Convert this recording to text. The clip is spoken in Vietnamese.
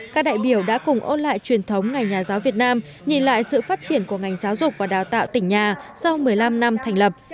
các đại biểu đã cùng ôn lại truyền thống ngày nhà giáo việt nam nhìn lại sự phát triển của ngành giáo dục và đào tạo tỉnh nhà sau một mươi năm năm thành lập